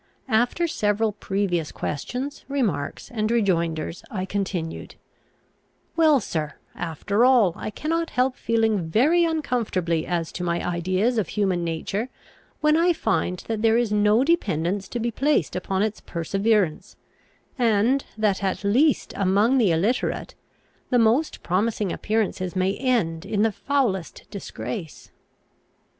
After several previous questions, remarks, and rejoinders, I continued: "Well, sir, after all, I cannot help feeling very uncomfortably as to my ideas of human nature, when I find that there is no dependence to be placed upon its perseverance, and that, at least among the illiterate, the most promising appearances may end in the foulest disgrace."